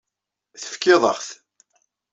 Tefkiḍ-aɣ-t.